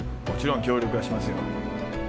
もちろん協力はしますよ